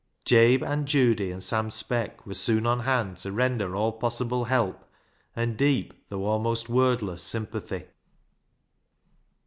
Jabe, Aunt Judy, and Sam Speck were soon on hand to render all possible help, and deep, though almost wordless, sympathy.